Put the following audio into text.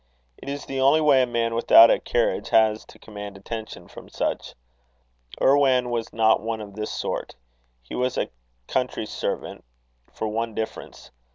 It is the only way a man without a carriage has to command attention from such. Irwan was not one of this sort. He was a country servant, for one difference.